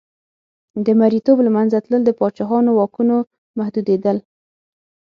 د مریتوب له منځه تلل د پاچاهانو واکونو محدودېدل.